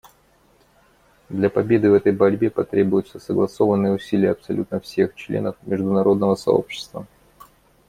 Для победы в этой борьбе потребуются согласованные усилия абсолютно всех членов международного сообщества.